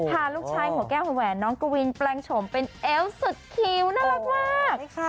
พาลูกชายหัวแก้วหัวแหวนน้องกวินแปลงโฉมเป็นเอวสุดคิ้วน่ารักมาก